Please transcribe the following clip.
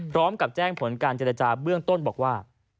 พร้อมกับแจ้งผลการเจรจาเบื้องต้นบอกว่า